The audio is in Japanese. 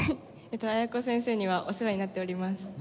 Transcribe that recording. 綾子先生にはお世話になっております。